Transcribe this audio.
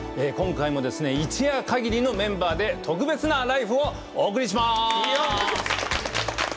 今回もですね一夜限りのメンバーで特別な「ＬＩＦＥ！」をお送りします！